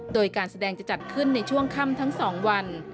โดยการแสดงจะจัดขึ้นในช่วงค่ำทั้ง๒วัน